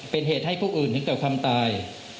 เป็นเหตุให้ผู้อื่นถึงแก่ความตาย